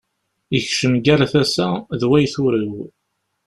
Ikcem gar tasa,d way turew.